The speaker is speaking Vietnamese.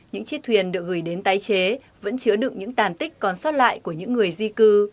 những chiếc thuyền được gửi đến tái chế vẫn chứa đựng những tàn tích còn sót lại của những người di cư